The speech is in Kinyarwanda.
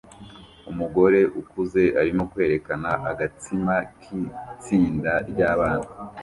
Umugore ukuze arimo kwerekana agatsima k'itsinda ry'abana